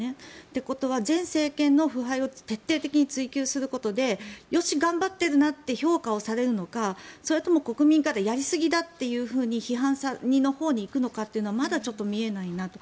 ということは前政権の腐敗を徹底的に追及することでよし、頑張っているなって評価をされるのかそれとも国民からやりすぎだって批判のほうに行くのかっていうのはまだちょっと見えないなと。